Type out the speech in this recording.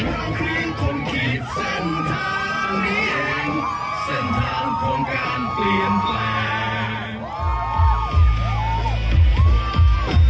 เราเพียงคนขีดเส้นทางนี้เองเส้นทางโครงการเปลี่ยนแปลง